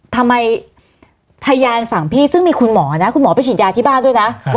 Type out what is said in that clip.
พยานฝั่งพี่ซึ่งมีคุณหมอนะคุณหมอไปฉีดยาที่บ้านด้วยนะ